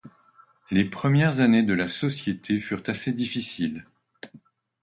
Les premières années de la société furent assez difficiles.